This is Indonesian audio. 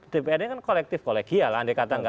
dpr ini kan kolektif kolegial andai kata itu kan ya kan